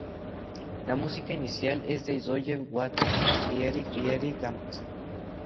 La música inicial es de Roger Waters y Eric Clapton.